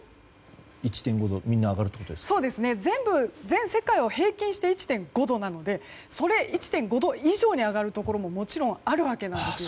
全世界を平均して１．５度なので１．５度以上に上がるところももちろんあるわけなんです。